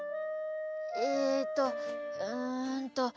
えとうんと。